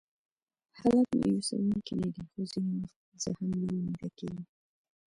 حالات مایوسونکي نه دي، خو ځینې وختونه زه هم ناامیده کېږم.